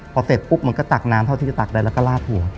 พอเสร็จปุ๊บมันก็ตักน้ำเท่าที่จะตักได้แล้วก็ลาดหัว